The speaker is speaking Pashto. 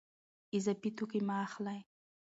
اضافي توکي مه اخلئ.